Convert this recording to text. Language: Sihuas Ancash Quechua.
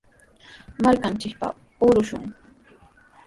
Markanchikpaq arushun.